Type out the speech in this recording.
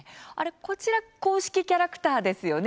公式キャラクターですよね。